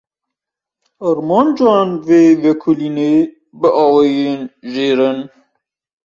Armancên vê vekolînê bi awayên jêr in: